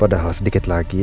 padahal sedikit lagi